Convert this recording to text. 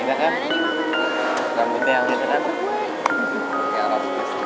eh itu dia